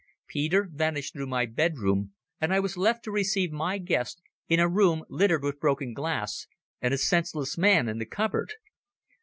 Peter vanished through my bedroom and I was left to receive my guest in a room littered with broken glass and a senseless man in the cupboard.